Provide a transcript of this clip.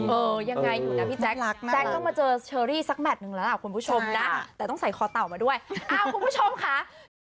เออยังไงอยู่นะพี่แจ๊คนะแจ๊คต้องมาเจอเชอรี่สักแมทนึงแล้วล่ะคุณผู้ชมนะแต่ต้องใส่คอเต่ามาด้วยคุณผู้ชมค่ะ